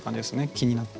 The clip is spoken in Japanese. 気になって。